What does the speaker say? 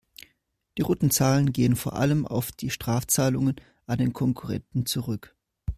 Die roten Zahlen gehen vor allem auf die Strafzahlungen an den Konkurrenten zurück.